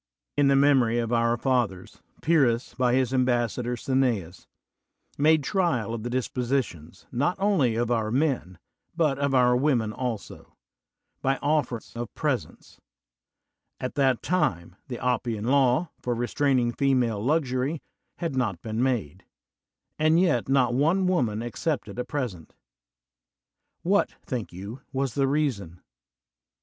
In the memory of our fathers, Pyrrhus, by his ambassador Cineas, made trial of the dis positions, not only of our men, but of our women also, by oflfers of presents: at that time the Oppian Law, for restraining female luxury, had not been made ; and yet not one woman accepted a present. What, think you, was the reason?